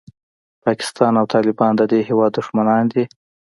پاکستان او طالبان د دې هېواد دښمنان دي.